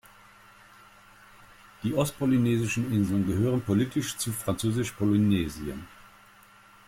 Die ostpolynesischen Inseln gehören politisch zu Französisch-Polynesien.